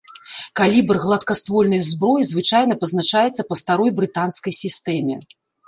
Калібр гладкаствольнай зброі звычайна пазначаецца па старой брытанскай сістэме.